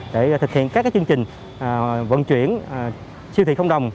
để thực hiện các chương trình vận chuyển siêu thị không đồng